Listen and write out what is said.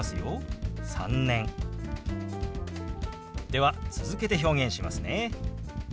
では続けて表現しますね。